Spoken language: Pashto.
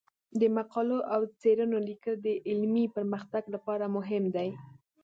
د مقالو او څیړنو لیکل د علمي پرمختګ لپاره مهم دي.